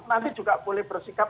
nanti juga boleh bersikap